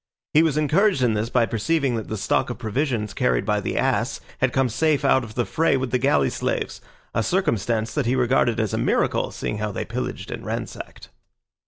He was encouraged in this by perceiving that the stock of provisions carried by the ass had come safe out of the fray with the galley slaves, a circumstance that he regarded as a miracle, seeing how they pillaged and ransacked.